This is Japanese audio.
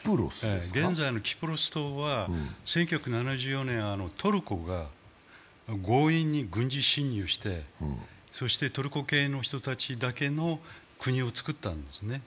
現在のキプロス島は１９７４年、トルコが強引に軍事侵入して、そしてトルコ系の人たちだけの国を作ったんですね。